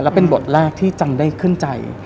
และเป็นบทแรกที่จังได้ขึ้นใจ